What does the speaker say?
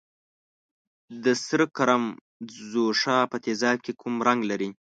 د سره کرم ځوښا په تیزاب کې کوم رنګ لري؟